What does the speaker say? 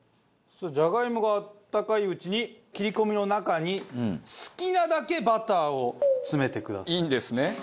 じゃがいもがあったかいうちに切り込みの中に好きなだけバターを詰めてください。